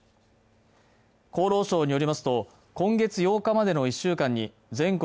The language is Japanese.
厚労省によりますと今月８日までの１週間に全国